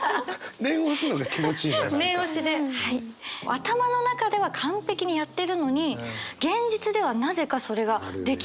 頭の中では完璧にやってるのに現実ではなぜかそれができてないっていう。